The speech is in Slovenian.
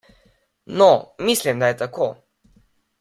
No, mislim, da je tako.